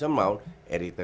eritana punya beberapa pemain